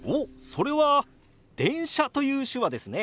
それは「電車」という手話ですね。